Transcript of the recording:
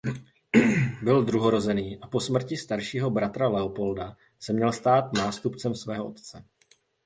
Byl druhorozený a po smrti staršího bratra Leopolda se měl stát nástupcem svého otce.